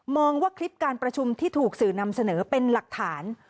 ว่าคลิปการประชุมที่ถูกสื่อนำเสนอเป็นหลักฐาน